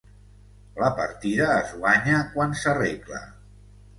La partida es guanya quan s'arregla.